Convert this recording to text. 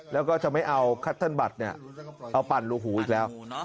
แล้วก็จะไม่เอาคัตเติ้ลบัตรเอาปั่นรูหูอีกแล้ว